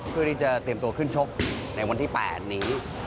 เพื่อที่จะเตรียมตัวขึ้นชกในวันที่๘นี้